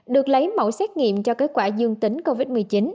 được lấy mẫu xét nghiệm cho kết quả dương tính covid một mươi chín